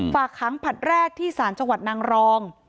ฝากค้างผลัดแรกที่สารจังหวัดนางรอง